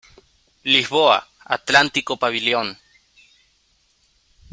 Lisboa, Atlántico Pavilion.